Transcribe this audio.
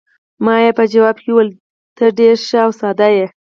ما یې په ځواب کې وویل: ته ډېره ښه او ساده یې.